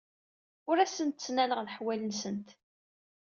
Ur asent-ttnaleɣ leḥwal-nsent.